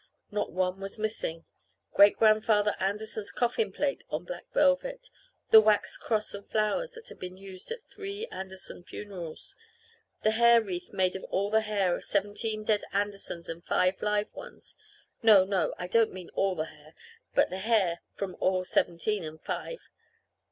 Not one was missing. Great Grandfather Anderson's coffin plate on black velvet, the wax cross and flowers that had been used at three Anderson funerals, the hair wreath made of all the hair of seventeen dead Andersons and five live ones no, no, I don't mean all the hair, but hair from all seventeen and five.